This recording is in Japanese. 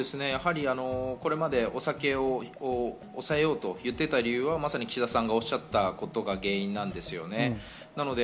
やはりこれまでお酒を抑えようと言っていた理由は岸田さんがおっしゃっていたことが原因なんですよね。